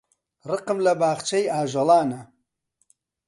ڕقم لە باخچەی ئاژەڵانە.